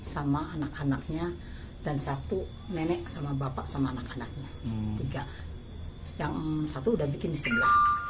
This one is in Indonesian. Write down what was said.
sama anak anaknya dan satu nenek sama bapak sama anak anaknya tiga yang satu udah bikin di sebelah